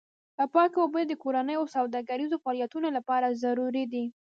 پاکې اوبه د کورنیو او سوداګریزو فعالیتونو لپاره ضروري دي.